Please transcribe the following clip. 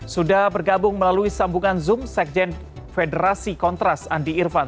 sudah bergabung melalui sambungan zoom sekjen federasi kontras andi irfan